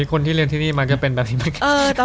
คนที่เรียนที่นี่มันก็เป็นแบบนี้เมื่อกี้